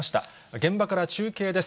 現場から中継です。